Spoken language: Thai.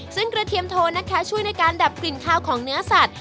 ซึ่งกระเทียมโทนนะคะช่วยในการดับกลิ่นข้าวของเนื้อสัตว